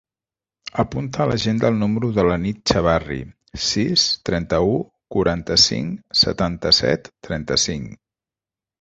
Apunta a l'agenda el número de la Nit Chavarri: sis, trenta-u, quaranta-cinc, setanta-set, trenta-cinc.